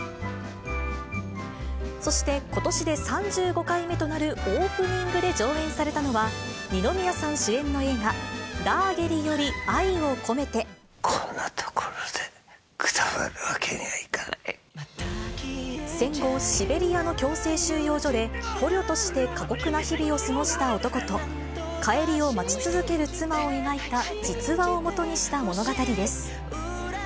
そして、ことしで３５回目となるオープニングで上映されたのは、二宮さん主演の映画、こんな所で、くたばるわけに戦後、シベリアの強制収容所で、捕虜として過酷な日々を過ごした男と、帰りを待ち続ける妻を描いた、実話を基にした物語です。